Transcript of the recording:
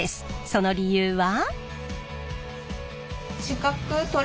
その理由は。